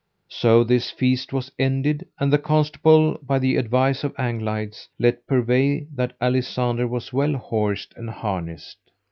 So this feast was ended, and the Constable, by the advice of Anglides, let purvey that Alisander was well horsed and harnessed.